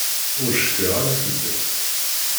Ur cfiɣ ara fell-as.